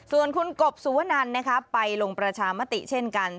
ส่วนคุณกบสุวนันไปลงประชามติเช่นกัน